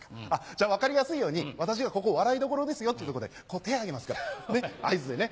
じゃ分かりやすいように私がここ笑いどころですよっていうとこで手挙げますから合図でね。